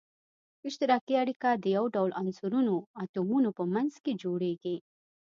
اشتراکي اړیکه د یو ډول عنصرونو اتومونو په منځ کې جوړیږی.